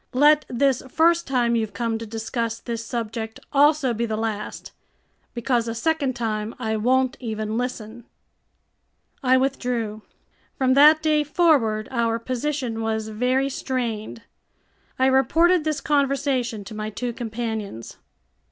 Let this first time you've come to discuss this subject also be the last, because a second time I won't even listen." I withdrew. From that day forward our position was very strained. I reported this conversation to my two companions.